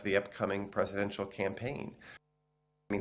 dari kampen presiden yang akan datang